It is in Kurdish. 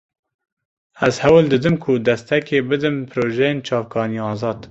Ez hewl didim ku destekê bidim projeyên çavkanî-azad.